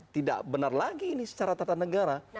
tidak benar lagi ini secara tata negara